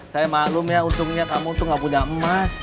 saya maklum ya untungnya kamu itu nggak punya emas